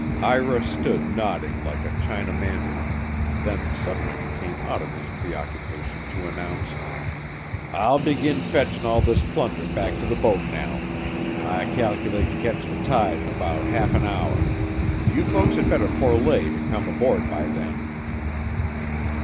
Ira stood nodding like a China mandarin, then suddenly he came out of his preoccupation to announce: "I'll begin fetchin' all this plunder back to the boat now. I cal'late to catch the tide in about half an hour. You folks had better forelay to come aboard by then."